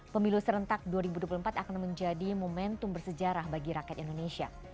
pemilu serentak dua ribu dua puluh empat akan menjadi momentum bersejarah bagi rakyat indonesia